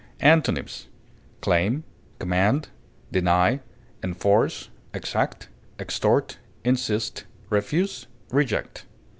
Antonyms: claim, deny, enforce, exact, extort, insist, refuse, reject.